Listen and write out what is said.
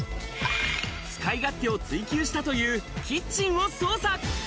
使い勝手を追求したというキッチンを捜査。